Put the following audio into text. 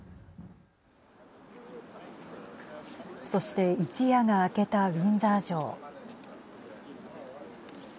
そして一夜が明けたウィンザー城。